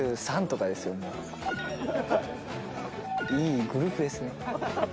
いいグループですね。